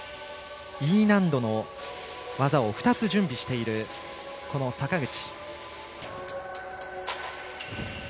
Ｅ難度の技を２つ準備している坂口。